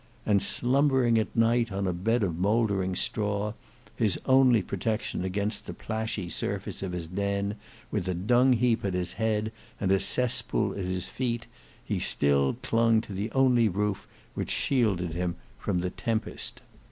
And slumbering at night on a bed of mouldering straw, his only protection against the plashy surface of his den, with a dungheap at his head and a cesspool at his feet, he still clung to the only roof which shielded him from the tempest.